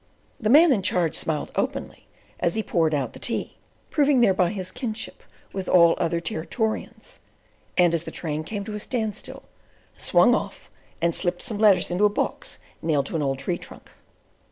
The Man in Charge smiled openly as he poured out the tea, proving thereby his kinship with all other Territorians; and as the train came to a standstill, swung off and slipped some letters into a box nailed to an old tree trunk.